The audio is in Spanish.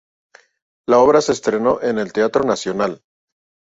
La obra se estrenó en el Teatro Nacional.